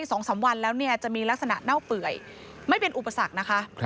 สองสามวันแล้วเนี่ยจะมีลักษณะเน่าเปื่อยไม่เป็นอุปสรรคนะคะ